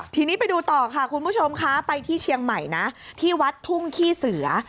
ทีนี้ไปดูต่อค่ะคุณผู้ชมคะไปที่เชียงใหม่นะที่วัดทุ่งขี้เสือ